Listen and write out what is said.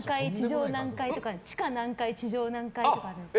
地下何階地上何階とかですか？